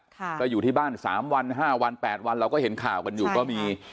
ก็อยู่ที่บ้านสามวันห้าวันแปดวันเราก็เห็นข่าวกันอยู่ก็มี